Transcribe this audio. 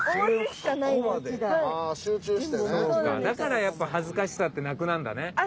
だからやっぱ恥ずかしさってなくなるんだね。